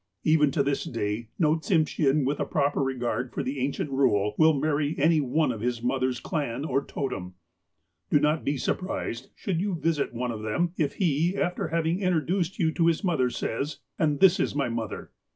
Even to this day no Tsimshean, with a proper regard for the ancient rule, will marry any one from his mother's clan or totem. Do not be surprised, should you visit one of them, if he, after having introduced you to his mother, says : "And this is my mother."